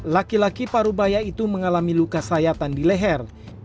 laki laki parubaya itu mengalami luka sayatan di leher